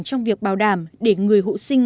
trong việc bảo đảm để người hộ sinh